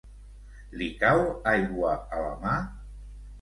Li cau aigua a la mà?